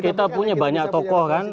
kita punya banyak tokoh kan